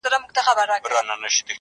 د خوني زمري منګولو څيرولم -